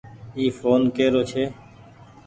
اي ڦون ڪيرو ڇي۔